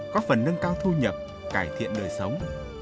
có phần nâng cao thu nhập cải thiện đời sống